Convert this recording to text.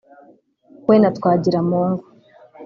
we na Twagiramungu